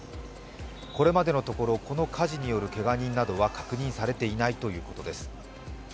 これまでのところこの火事によるけが人などは確認されていないということです。